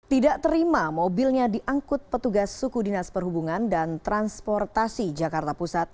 tidak terima mobilnya diangkut petugas suku dinas perhubungan dan transportasi jakarta pusat